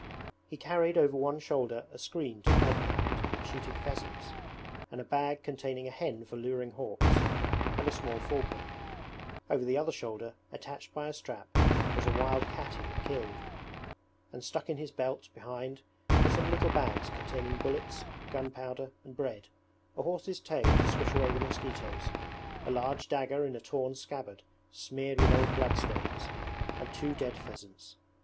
He carried over one shoulder a screen to hide behind when shooting pheasants, and a bag containing a hen for luring hawks, and a small falcon; over the other shoulder, attached by a strap, was a wild cat he had killed; and stuck in his belt behind were some little bags containing bullets, gunpowder, and bread, a horse's tail to swish away the mosquitoes, a large dagger in a torn scabbard smeared with old bloodstains, and two dead pheasants.